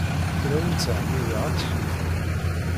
Ur awen-ttɛemmideɣ ad tkeyyfem.